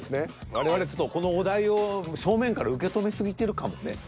我々このお題を正面から受け止め過ぎてるかもね。